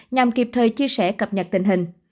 nhằm kịp thời chia sẻ cập nhật tình hình